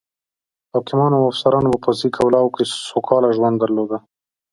حاکمانو او افسرانو په پوځي کلاوو کې سوکاله ژوند درلوده.